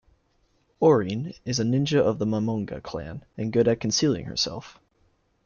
Orin is a ninja of the Momonga Clan, and good at concealing herself.